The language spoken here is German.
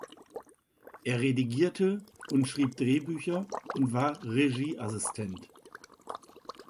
Er redigierte und schrieb Drehbücher und war Regieassistent.